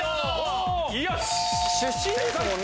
・出身ですもんね。